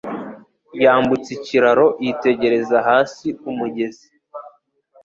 Yambutse ikiraro, yitegereza hasi kumugezi.